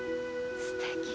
すてき。